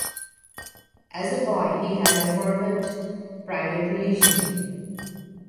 As a boy he had a fervent private religion.